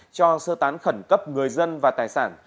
cho sơ tán khẩn cấp người dân và tài sản